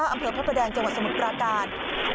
อำเภอพระประแดงจังหวัดสมุทรปราการ